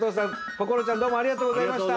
こころちゃんどうもありがとうございました！